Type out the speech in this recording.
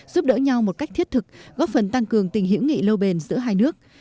giúp đỡ nhau một cách thiết thực góp phần tăng cường tình hiểu nghị lâu bền giữa hai nước